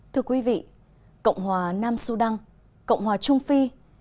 thưa quý vị cộng hòa nam sudan cộng hòa trung phi